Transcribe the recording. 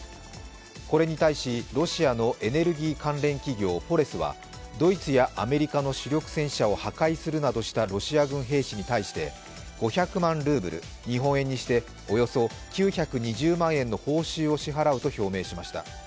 これに対しロシアのエネルギー関連企業・フォレスはドイツやアメリカの主力戦車を破壊するなどしたロシア軍兵士に対して、５００万ルーブル、日本円にしておよそ９２０万円の報酬を支払うと表明しました。